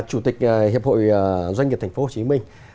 hiệp hội doanh nghiệp tp hcm